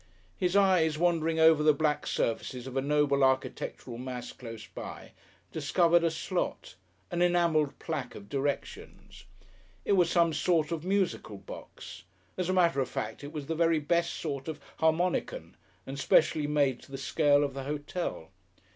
His eyes, wandering over the black surfaces of a noble architectural mass close by, discovered a slot an enamelled plaque of directions. It was some sort of musical box! As a matter of fact, it was the very best sort of Harmonicon and specially made to the scale of the Hotel.